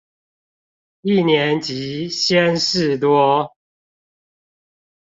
一年級鮮事多